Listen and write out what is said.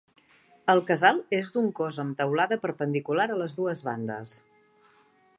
El casal és d'un cos amb teulada perpendicular a dues bandes.